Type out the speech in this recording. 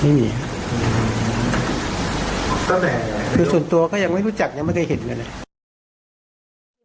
ไม่มีนะคะแล้วไม่มีค่ะ